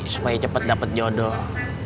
supaya cepat dapat jodoh